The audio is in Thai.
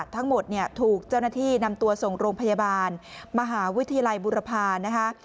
ทั้งหมดเนี่ยถูกเจ้าหน้าที่นำตัวส่งโรงพยาบาลมหาวิทยาลัยบุรพานะคะ